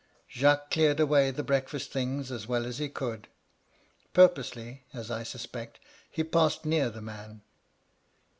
'^ Jacques cleared away the break£ast things as well MY LADY LUDLOW. 191 as he could. Purposely, as I suspect, he passed near the man.